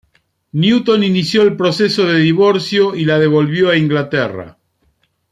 Newton inició el proceso de divorcio y la devolvió a Inglaterra.